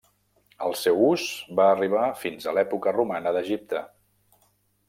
El seu ús va arribar fins a l'època romana d'Egipte.